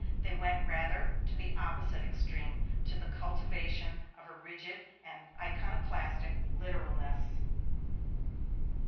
They went rather to the opposite extreme, to the cultivation of a rigid and iconoclastic literalness.